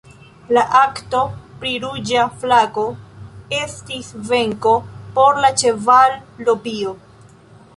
La "Akto pri ruĝa flago" estis venko por la ĉeval-lobio.